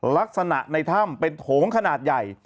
ลักษณะในถ้ำเป็นโถงขนาดใหญ่